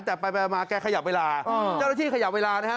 แต่ไปมาแกขยับเวลาเจ้าหน้าที่ขยับเวลานะฮะ